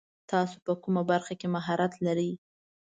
تاسو په کومه برخه کې مهارت لري ؟